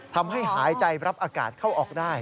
ทำให้หายใจรับอากาศเข้าออกได้